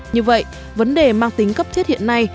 như vậy vấn đề mang tính cấp thiết hiện nay